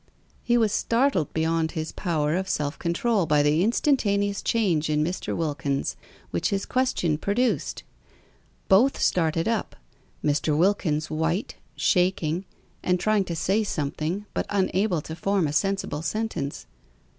He was startled beyond his power of self control by the instantaneous change in Mr. Wilkins which his question produced. Both started up; Mr. Wilkins white, shaking, and trying to say something, but unable to form a sensible sentence.